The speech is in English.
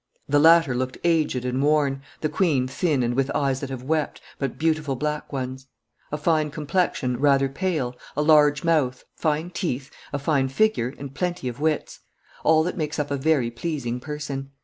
The latter looked aged and worn, the queen thin and with eyes that have wept, but beautiful black ones; a fine complexion, rather pale, a large mouth, fine teeth, a fine figure and plenty of wits; all that makes up a very pleasing person.